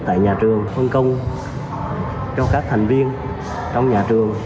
tại nhà trường phân công cho các thành viên trong nhà trường